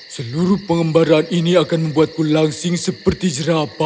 seluruh pengembaraan ini akan membuatku langsing seperti jerapa